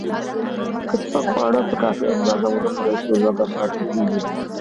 که سپک خواړه په کافي اندازه ونه خورل شي، لوږه پاتې کېږي.